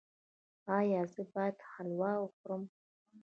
ایا زه باید حلوا وخورم؟